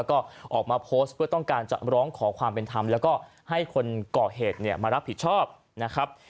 ก็ออกมาโพสต์เพื่อต้องการจะร้องขอความเป็นธรรมแล้วก็ให้คนก่อเหตุเนี่ยมารับผิดชอบนะครับ